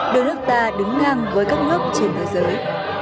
đưa nước ta đứng ngang với các nước trên thế giới